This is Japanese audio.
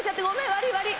悪い悪い。